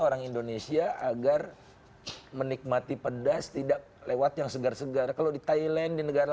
orang indonesia agar menikmati pedas tidak lewat yang segar segar kalau di thailand di negara